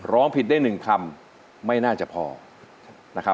ร้องผิดได้๑คำไม่น่าจะพอนะครับ